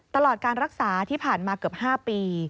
ตลอดการรักษาที่ผ่านมาเกือบ๕ปี